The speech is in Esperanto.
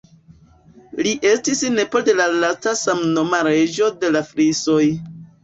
Li estis nepo de la lasta samnoma Reĝo de la Frisoj.